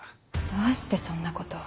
どうしてそんなことを？